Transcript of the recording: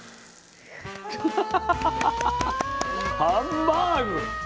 わハンバーグ。ね。